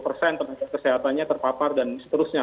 penasaran kesehatannya terpapar dan seterusnya